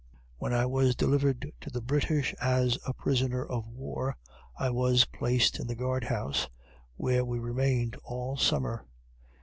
When I was delivered to the British as a prisoner of war, I was placed in the guardhouse, where we remained all summer.